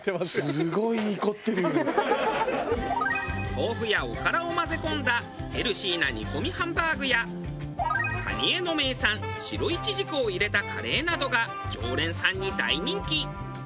豆腐やおからを混ぜ込んだヘルシーな煮込みハンバーグや蟹江の名産白いちじくを入れたカレーなどが常連さんに大人気。